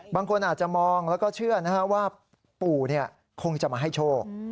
บางคนอาจจะมองแล้วก็เชื่อว่าปู่คงจะมาให้โชค